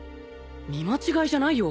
見間違いじゃないよ。